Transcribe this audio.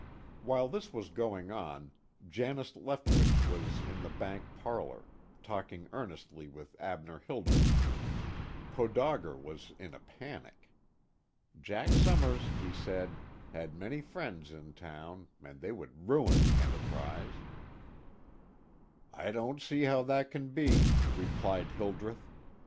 While this was going on, Janus Leftwitch was in the bank parlor, talking earnestly with Abner Hildreth. Podauger was in a panic. Jack Summers, he said, had many friends in town, and they would ruin the Enterprise. "I don't see how that can be," replied Hildreth.